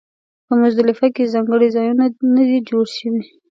په مزدلفه کې ځانګړي ځایونه نه دي جوړ شوي.